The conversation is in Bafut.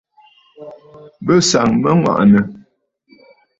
Bɨ sàŋ mə aŋwàʼànə̀.